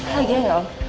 lagi ya gak om